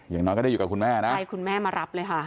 อย่างน้อยก็ได้อยู่กับคุณแม่นะใช่คุณแม่มารับเลยค่ะ